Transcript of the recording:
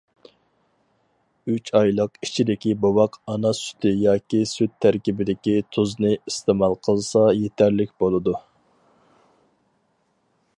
ئۈچ ئايلىق ئىچىدىكى بوۋاق ئانا سۈتى ياكى سۈت تەركىبىدىكى تۇزنى ئىستېمال قىلسا يېتەرلىك بولىدۇ.